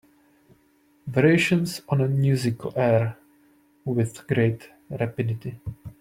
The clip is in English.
Variations on a musical air With great rapidity